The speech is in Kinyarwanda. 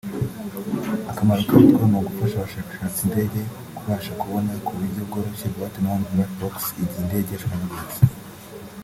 Akamaro katwo ni ugufasha abashakashaka indege kubasha kubona ku buryo bworoshye Boîte noire/Black box igihe indege yashwanyaguritse